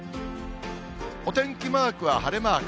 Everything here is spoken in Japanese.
お天気マークは晴れマーク。